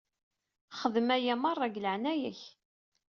Xdem aya merra deg leɛnaya-k.